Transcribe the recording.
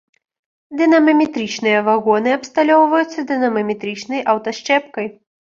Дынамаметрычныя вагоны абсталёўваюцца дынамаметрычнай аўтасчэпкай.